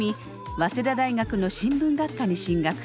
早稲田大学の新聞学科に進学。